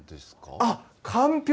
あっ、かんぴょう？